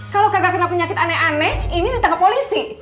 kalau kagak kena penyakit aneh aneh ini minta ke polisi